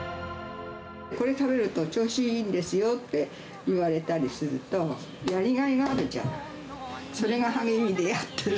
これ食べると調子いいんですよって言われたりすると、やりがいがあるじゃない。